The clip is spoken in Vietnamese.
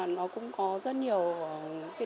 nó cũng có rất nhiều